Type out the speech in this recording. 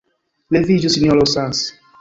Leviĝu, Sinjoro Nans!